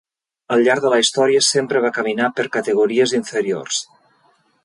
Al llarg de la història sempre va caminar per categories inferiors.